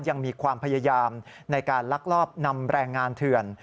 ยังมีความพยายามในการลักลอบนำแรงงานเถื่อน